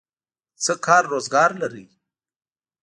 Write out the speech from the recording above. څه کار روزګار لرئ؟